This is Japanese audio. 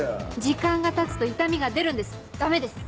時間がたつと傷みが出るんですダメです。